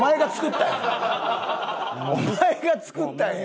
お前が作ったんや！